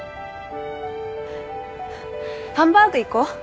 ハンバーグ行こう。